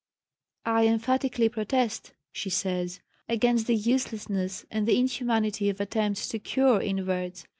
"I emphatically protest," she says, "against the uselessness and the inhumanity of attempts to 'cure' inverts.